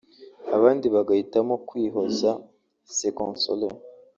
abandi bagahitamo kwihoza (se consoler)